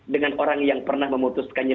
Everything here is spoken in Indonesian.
dengan orang yang pernah memutuskannya